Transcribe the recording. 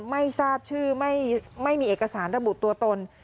ไม่ทราบชื่อไม่มีเอกสารระบุตัวตน